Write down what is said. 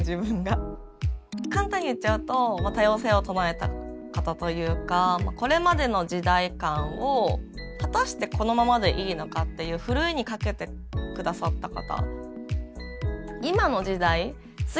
簡単に言っちゃうとこれまでの時代観を果たしてこのままでいいのかっていうふるいにかけて下さった方。